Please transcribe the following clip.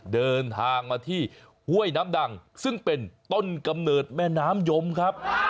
เดินทางมาที่ห้วยน้ำดังซึ่งเป็นต้นกำเนิดแม่น้ำยมครับ